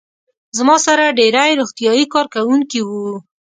زما سره ډېری روغتیايي کارکوونکي وو.